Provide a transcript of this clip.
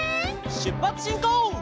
しゅっぱつしんこう！